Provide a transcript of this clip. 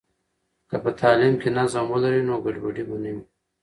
که په تعلیم کې نظم ولري، نو ګډوډي به نه وي.